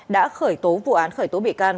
đã khởi tố vụ án khởi tố bị can